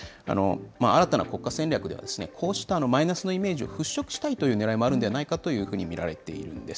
新たな国家戦略では、こうしたマイナスのイメージを払拭したいというねらいもあるのではないかと見られているんです。